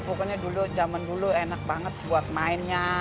pokoknya dulu zaman dulu enak banget buat mainnya